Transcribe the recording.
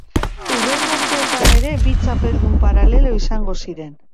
Hurrengo urteetan ere bi txapeldun paralelo izango ziren.